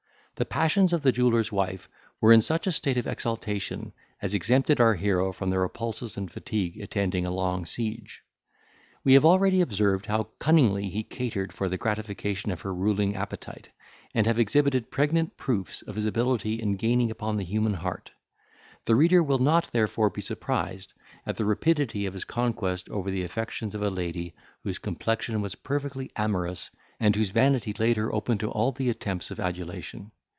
The passions of the jeweller's wife were in such a state of exaltation, as exempted our hero from the repulses and fatigue attending a long siege. We have already observed how cunningly he catered for the gratification of her ruling appetite, and have exhibited pregnant proofs of his ability in gaining upon the human heart; the reader will not therefore be surprised at the rapidity of his conquest over the affections of a lady whose complexion was perfectly amorous, and whose vanity laid her open to all the attempts of adulation.